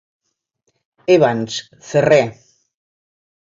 Evans, ferrer.